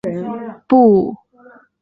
不会生活，你就没有人生